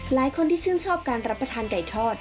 หลายคนที่ชื่นชอบการรับประทานไก่ทอด